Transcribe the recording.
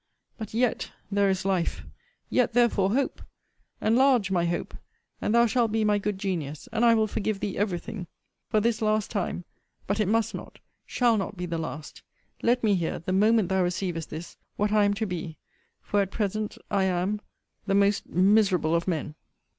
But yet there is life! Yet, therefore, hope enlarge my hope, and thou shalt be my good genius, and I will forgive thee every thing. For this last time but it must not, shall not be the last Let me hear, the moment thou receivest this what I am to be for, at present, I am The most miserable of Men.